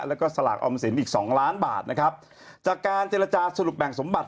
แล้วก็สลากออมสินอีกสองล้านบาทนะครับจากการเจรจาสรุปแบ่งสมบัติ